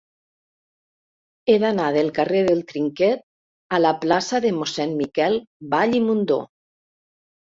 He d'anar del carrer del Trinquet a la plaça de Mossèn Miquel Vall i Mundó.